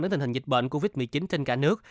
đến tình hình dịch bệnh covid một mươi chín trên cả nước